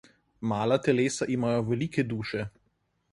Mala telesa imajo velike duše.